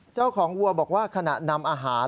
เจ้าของวัวบอกว่าขณะนำอาหาร